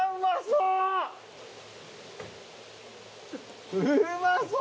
うまそう！